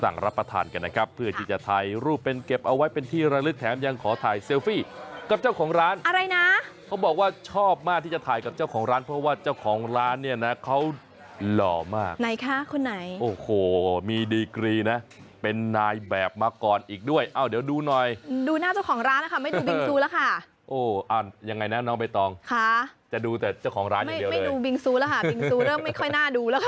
ไม่ดูบิงซูแล้วค่ะบิงซูเรื่องไม่ค่อยน่าดูแล้วค่ะ